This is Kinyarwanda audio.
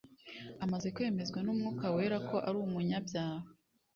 Amaze kwemezwa n'Umwuka wera, ko ari umunyabyaha,